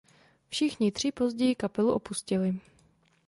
Všichni tři později kapelu opustili.